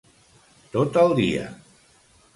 Tot el dia.